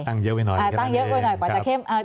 ตั้งเยอะไปหน่อยก็ได้